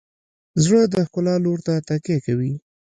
زړه د ښکلا لور ته تکیه کوي.